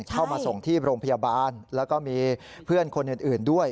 เข้ามาส่งที่โรงพยาบาลแล้วก็มีเพื่อนคนอื่นด้วย